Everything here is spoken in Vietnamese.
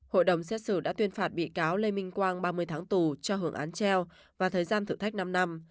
hội đồng xét xử đã tuyên phạt bị cáo lê minh quang ba mươi tháng tù cho hưởng án treo và thời gian thử thách năm năm